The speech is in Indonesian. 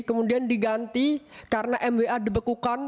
kemudian diganti karena mwa dibekukan